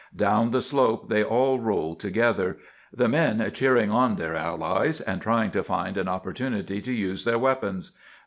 Down the slope they all rolled together, the men cheering on their allies, and trying to find an opportunity to use their weapons.